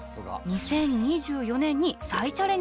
２０２４年に再チャレンジします。